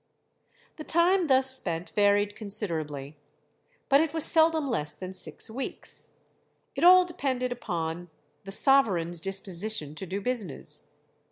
The time thus spent varied considerably, but it was seldom less than six weeks. It all depended upon the sovereign's disposition to do business.